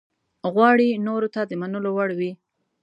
غواړي نورو ته د منلو وړ وي.